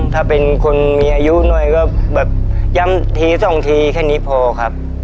ถ้าเป็นคนมีอายุหน่อยก็แบบย้ำทีสองทีแค่นี้พอครับ